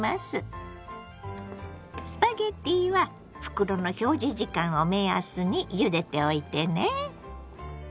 スパゲッティは袋の表示時間を目安にゆでておいてね。